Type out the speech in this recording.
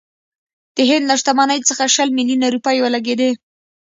د هند له شتمنۍ څخه شل میلیونه روپۍ ولګېدې.